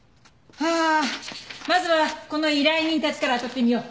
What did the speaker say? はあまずはこの依頼人たちから当たってみよう。